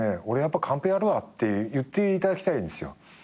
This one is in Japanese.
俺やっぱカンペやるわって言っていただきたいんですよ。